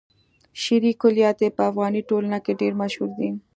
شعري کلیات يې په افغاني ټولنه کې ډېر مشهور دي.